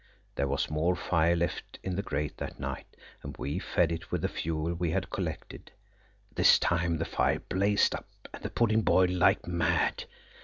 There was more fire left in the grate that night, and we fed it with the fuel we had collected. This time the fire blazed up, and the pudding boiled like mad.